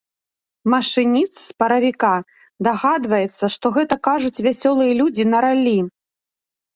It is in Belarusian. Машыніст з паравіка дагадваецца, што гэта кажуць вясёлыя людзі на раллі.